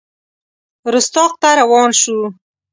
رُستاق ته روان شو.